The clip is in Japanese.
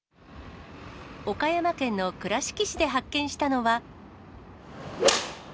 岡山県の倉敷市で発見したのは。